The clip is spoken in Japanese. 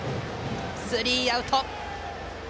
スリーアウト。